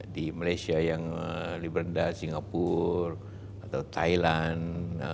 di malaysia yang liberanda singapura atau thailand